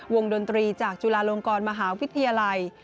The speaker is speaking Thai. ดนตรีจากจุฬาลงกรมหาวิทยาลัย